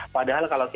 padahal kalau kita